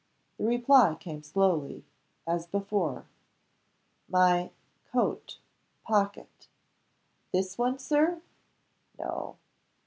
The reply came slowly as before. "My coat pocket." "This one, Sir?" "No."